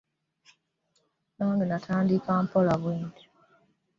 Nange natandika mpola bwe ntyo.